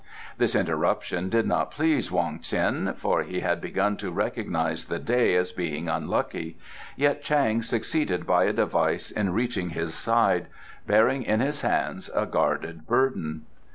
This interruption did not please Wong Ts'in, for he had begun to recognize the day as being unlucky, yet Chang succeeded by a device in reaching his side, bearing in his hands a guarded burden.